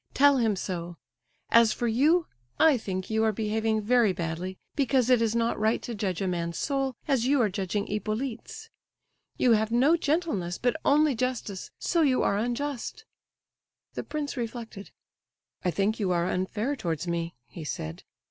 Tell him so. As for you, I think you are behaving very badly, because it is not right to judge a man's soul as you are judging Hippolyte's. You have no gentleness, but only justice—so you are unjust." The prince reflected. "I think you are unfair towards me," he said.